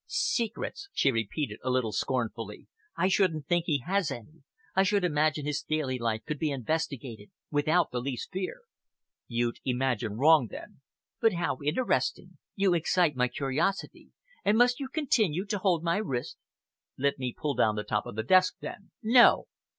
"Secrets!" she repeated, a little scornfully. "I shouldn't think he has any. I should imagine his daily life could be investigated without the least fear." "You'd imagine wrong, then." "But how interesting! You excite my curiosity. And must you continue to hold my wrist?" "Let me pull down the top of this desk, then." "No!"